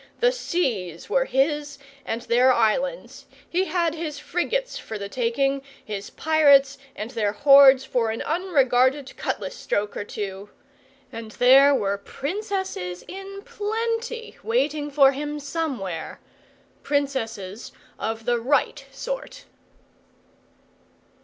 The seas were his, and their islands; he had his frigates for the taking, his pirates and their hoards for an unregarded cutlass stroke or two; and there were Princesses in plenty waiting for him somewhere Princesses of the right sort.